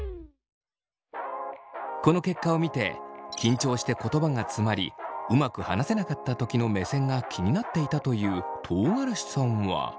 この結果を見て緊張して言葉がつまりうまく話せなかったときの目線が気になっていたという唐辛子さんは。